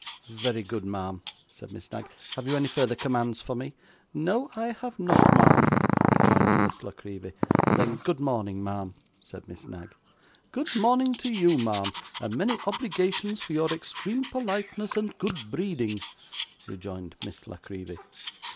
'Very good, ma'am,' said Miss Knag. 'Have you any further commands for me?' 'No, I have not, ma'am,' rejoined Miss La Creevy. 'Then good morning, ma'am,' said Miss Knag. 'Good morning to you, ma'am; and many obligations for your extreme politeness and good breeding,' rejoined Miss La Creevy.